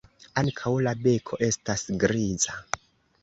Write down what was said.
Ankaŭ la beko estas griza.